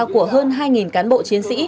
của hơn hai cán bộ chiến sĩ